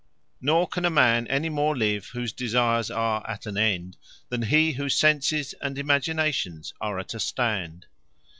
Nor can a man any more live, whose Desires are at an end, than he, whose Senses and Imaginations are at a stand.